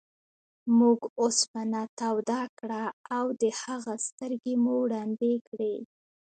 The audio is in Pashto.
موږ اوسپنه توده کړه او د هغه سترګې مو ړندې کړې.